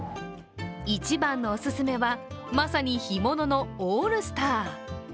一番のお勧めは、まさに干物のオールスター。